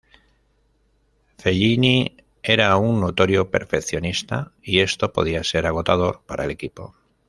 Fellini era un notorio perfeccionista, y esto podía ser agotador para el equipo.